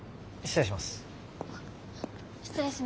失礼します。